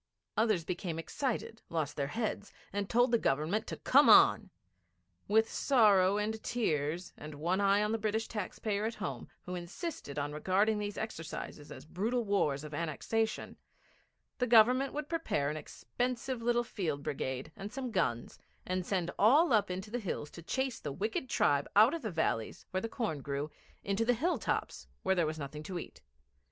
Others became excited, lost their heads, and told the Government to come on. With sorrow and tears, and one eye on the British taxpayer at home, who insisted on regarding these exercises as brutal wars of annexation, the Government would prepare an expensive little field brigade and some guns, and send all up into the hills to chase the wicked tribe out of the valleys, where the corn grew, into the hill tops where there was nothing to eat.